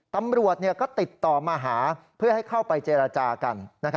ตำรวจก็ติดต่อมาหาเพื่อให้เข้าไปเจรจากัน